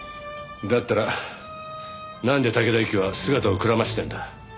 だったらなんで竹田ユキは姿をくらましてんだ？